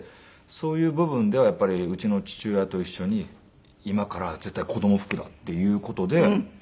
そういう部分ではやっぱりうちの父親と一緒に今からは絶対子供服だっていう事で。